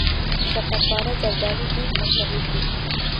شکرپاره زردالو ډیر مشهور دي.